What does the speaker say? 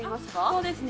そうですね。